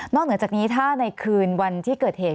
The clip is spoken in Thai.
เหนือจากนี้ถ้าในคืนวันที่เกิดเหตุ